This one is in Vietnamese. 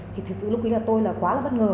thì thực sự lúc ý là tôi là quá là bất ngờ